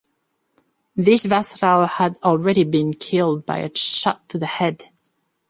Vishwasrao had already been killed by a shot to the head.